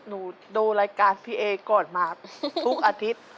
ดูรายการพี่เอก่อนมาทุกอาทิตย์